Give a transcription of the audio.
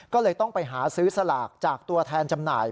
ก็เลยต้องไปหาซื้อสลากจากตัวแทนจำหน่าย